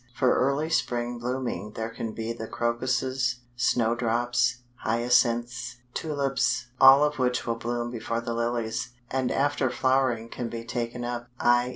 For early spring blooming there can be the Crocuses, Snowdrops, Hyacinths, Tulips, all of which will bloom before the lilies, and after flowering can be taken up, i.